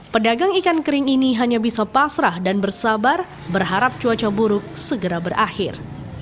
pedagang ikan kering ini hanya bisa pasrah dan bersabar berharap cuaca buruk segera berakhir